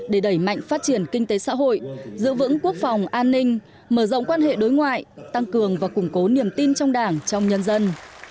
để đẩy mạnh phát triển kinh tế xã hội giữ vững quốc phòng an ninh mở rộng quan hệ đối ngoại tăng cường và củng cố niềm tin trong đảng trong nhân dân